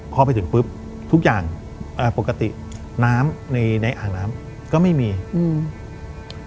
พอไปถึงปุ๊บทุกอย่างเอ่อปกติน้ำในในอ่างน้ำก็ไม่มีอืม